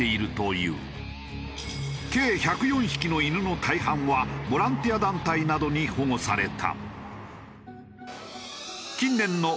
計１０４匹の犬の大半はボランティア団体などに保護された。